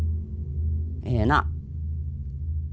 ええな？